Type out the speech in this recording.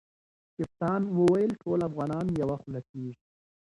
کپتان وویل ټول افغانان یوه خوله کیږي.